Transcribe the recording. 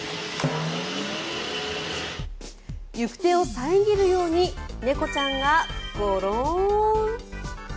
行く手を遮るように猫ちゃんがゴローン。